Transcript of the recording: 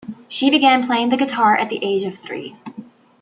She began playing the guitar at the age of three.